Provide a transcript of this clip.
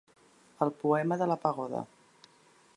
El poema de la pagoda.